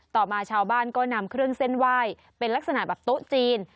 ต่อมาชาวบ้านก็นำเครื่องเส้นไหว้เป็นลักษณะแบบโต๊ะจีน